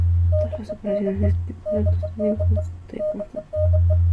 Todas las operaciones de este tipo de datos tienen coste constante.